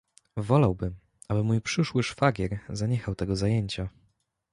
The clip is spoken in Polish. "Wolałbym, aby mój przyszły szwagier zaniechał tego zajęcia."